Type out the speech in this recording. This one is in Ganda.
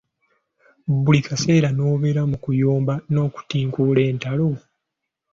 Buli kaseera n’obeera mu kuyomba n’okutinkuula entalo.